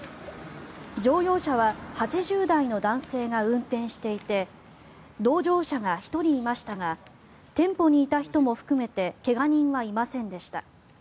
乗用車は８０代の男性が運転していて同乗者が１人いましたが店舗にいた人も含めて怪我人はいませんでした。